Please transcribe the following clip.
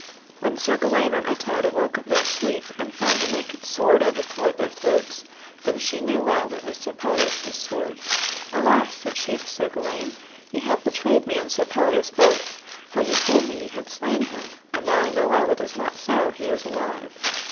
When Sir Gawaine and Ettard awoke of their sleep, and found the naked sword overthwart their throats, then she knew well it was Sir Pelleas' sword. Alas! said she to Sir Gawaine, ye have betrayed me and Sir Pelleas both, for ye told me ye had slain him, and now I know well it is not so, he is alive.